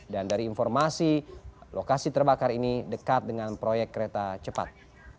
dan dari informasi lokasi terbakar ini dekat dengan proyek kereta cepat